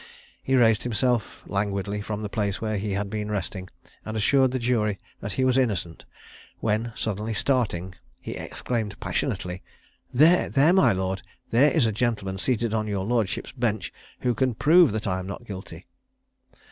He raised himself languidly from the place where he had been resting, and assured the jury that he was innocent, when, suddenly starting, he exclaimed passionately. "There, there, my lord, there is a gentleman seated on your lordship's bench who can prove that I am not guilty!"